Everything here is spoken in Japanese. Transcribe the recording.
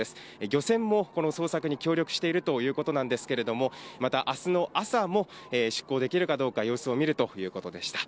漁船もこの捜索に協力しているということなんですけれども、またあすの朝も出港できるかどうか、様子を見るということでした。